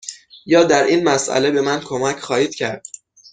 یا در این مسأله به من کمک خواهید کرد؟